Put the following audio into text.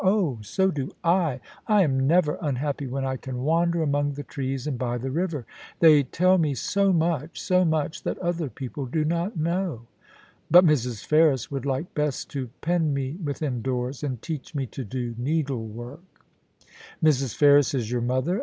* Oh ! so do I. I am never unhappy when I can wander among the trees and by the river. They tell me so much — so much that other people do not know. ... But Mrs. Ferris would like best to pen me within doors, and teach me to do needlework,' 8 1 14 POLICY AND PASSION. * Mrs. Ferris is your mother